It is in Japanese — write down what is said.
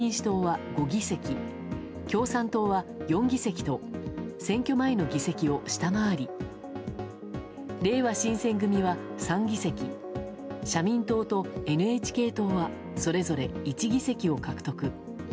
また国民民主党は５議席共産党は４議席と選挙前の議席を下回りれいわ新選組は３議席社民党とＮＨＫ党はそれぞれ１議席を獲得。